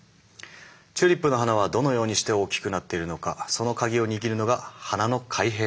チューリップの花はどのようにして大きくなっているのかその鍵を握るのが花の開閉運動なんです。